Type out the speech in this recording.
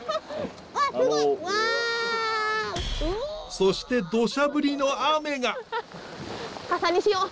そしてどしゃ降りの雨が。